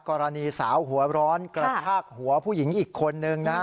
กรณีสาวหัวร้อนกระชากหัวผู้หญิงอีกคนนึงนะฮะ